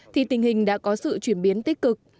thì tình hình đã có sự chuyển biến tích cực